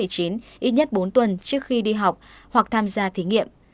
ít nhất bốn tuần trước khi đi học hoặc tham gia thí nghiệm